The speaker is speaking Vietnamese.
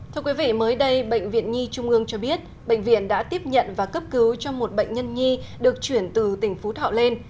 thưa quý vị mới đây bệnh viện nhi trung ương cho biết bệnh viện đã tiếp nhận và cấp cứu cho một bệnh nhân nhi được chuyển từ tỉnh phú thọ lên